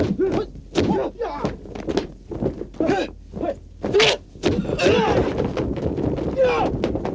sedikit minggu kemudian